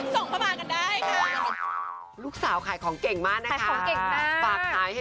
ส่งผู้โชคดีสามารถซื้อ